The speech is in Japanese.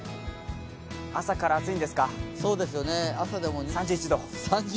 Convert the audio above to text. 朝から暑いですか。